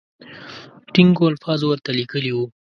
ټینګو الفاظو ورته لیکلي وو.